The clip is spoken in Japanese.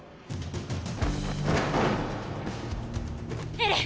エレン！